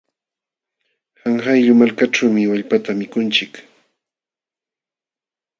Qanqayllu malkaćhuumi wallpata mikunchik.